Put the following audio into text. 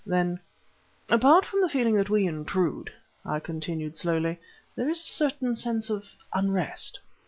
Then "Apart from the feeling that we intrude," I continued slowly, "there is a certain sense of unrest."